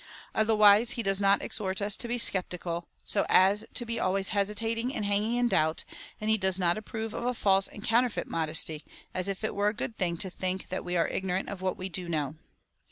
Otherwise he does not exhort us to be sceptical, so as to be always hesi tating and hanging in doubt, and he does not approve of a false and counterfeit modesty, as if it were a good thing to think that we are ignorant of what we do know.